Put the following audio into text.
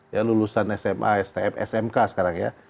ya lulusan sma stm smk sekarang ya